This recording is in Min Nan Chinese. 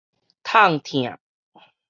痛疼